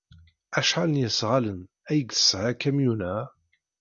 Acḥal n yesɣalen ay yesɛa ukamyun-a?